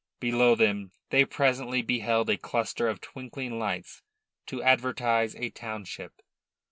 Below them they presently beheld a cluster of twinkling lights to advertise a township.